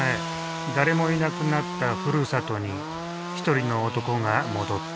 誰もいなくなったふるさとに一人の男が戻った。